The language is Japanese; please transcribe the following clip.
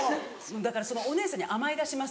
だからそのお姉さんに甘え出します。